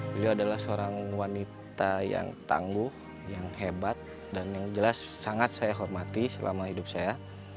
beliau adalah seorang wanita yang tangguh yang hebat dan yang jelas sangat saya hormati selama hidup saya